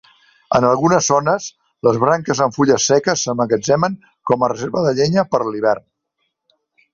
En algunes zones, les branques amb fulles seques s'emmagatzemen com a reserva de llenya per a l'hivern.